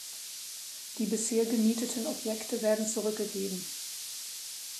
Die bisher gemieteten Objekte werden zurückgegeben.